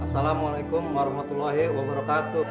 assalamualaikum warahmatullahi wabarakatuh